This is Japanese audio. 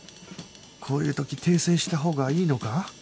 こういう時訂正したほうがいいのか？